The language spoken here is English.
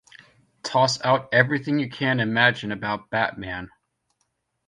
Toss out everything you can imagine about Batman!